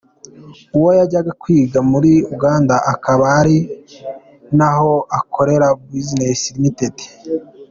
Ubwo yajyaga kwiga muri Uganda, akaba ari naho akorera business Rtd.